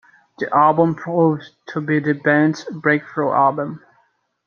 The album proved to be the band's breakthrough album.